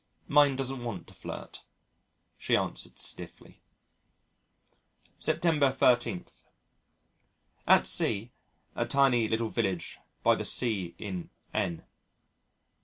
"Mine doesn't want to flirt," she answered stiffly. September 13. _At C , a tiny little village by the sea in N